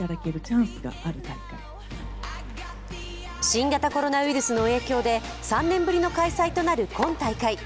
新型コロナウイルスの影響で３年ぶりの開催となる今大会。